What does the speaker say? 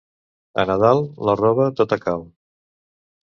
A Nadal, la roba tota cal.